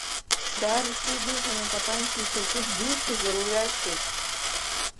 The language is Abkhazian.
Даара сеигәырӷьаны атапанча исыркыз џьушьозар уҩашьеит.